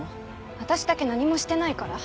私だけ何もしてないから。